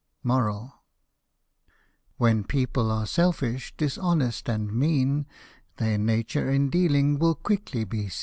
When people are selfish, dishonest, and mean, Their nature, in dealing, will quickly be seen.